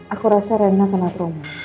aku rasa rena kena trauma